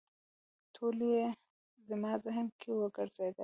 ټولې یې زما ذهن کې وګرځېدلې.